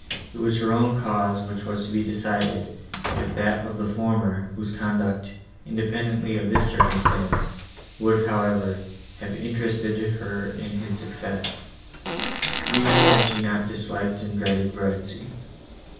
It was her own cause which was to be decided with that of the former, whose conduct, independently of this circumstance, would, however, have interested her in his success, even had she not disliked and dreaded Verezzi.